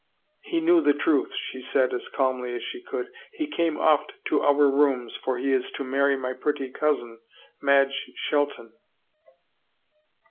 " He knew the truth," she said as calmly as she could. " He came oft to our rooms for he is to marry my pretty cousin, Madge Shelton."